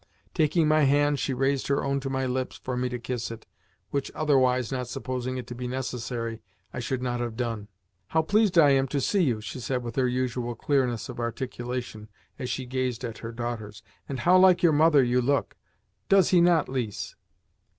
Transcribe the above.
Taking my hand, she raised her own to my lips for me to kiss it which otherwise, not supposing it to be necessary, I should not have done. "How pleased I am to see you!" she said with her usual clearness of articulation as she gazed at her daughters. "And how like your mother you look! Does he not, Lise?"